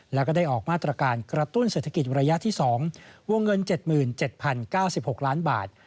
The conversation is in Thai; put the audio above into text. แล้วก็ได้ออกมาตรการกระตุ้นเศรษฐกิจระยะที่๒วงเงิน๗๗๐๙๖ล้านบาท